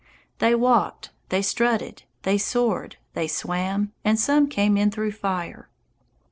They walked, they strutted, they soared, they swam, and some came in through fire.